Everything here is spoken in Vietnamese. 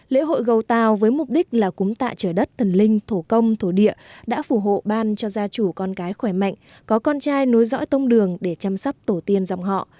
lễ hội gầu tàu với mục đích là cúm tạ trời đất thần linh thủ công thổ địa đã phủ hộ ban cho gia chủ con cái khỏe mạnh có con trai nối dõi tông đường để chăm sóc tổ tiên dòng họ